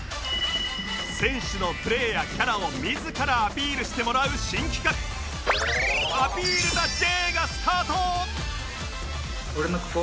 選手のプレーやキャラを自らアピールしてもらう新企画「アピールだ Ｊ」がスタート！